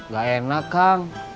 gak enak kang